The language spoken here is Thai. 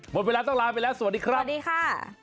หมดเวลาต้องลาไปแล้วสวัสดีครับสวัสดีค่ะ